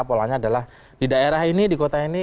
polanya adalah di daerah ini di kota ini